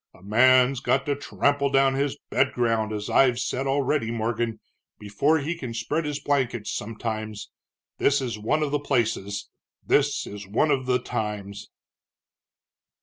A man's got to trample down his bed ground, as I've said already, Morgan, before he can spread his blankets sometimes. This is one of the places, this is one of the times."